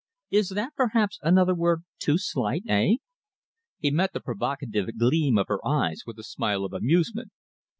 Is that, perhaps, another word too slight, eh?" He met the provocative gleam of her eyes with a smile of amusement.